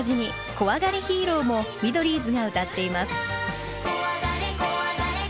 「こわがりヒーロー」もミドリーズが歌っています。